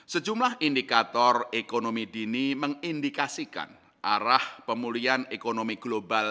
sejumlah indikator ekonomi dini mengindikasikan arah pemulihan ekonomi global